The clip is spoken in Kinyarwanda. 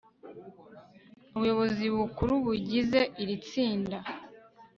ubuyobozi bukuru bugize iritsinda